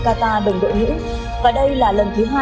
qatar đồng đội nữ và đây là lần thứ hai